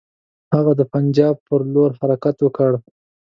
هغه د پنجاب پر لور حرکت وکړ.